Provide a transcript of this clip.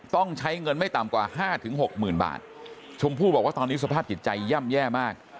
ต้องใช้เงินไม่ต่ำกว่าห้าถึงหกหมื่นบาทชมพู่บอกว่าตอนนี้สภาพจิตใจย่ำแย่มาก